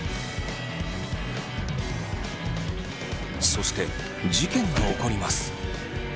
そして事件が起こります。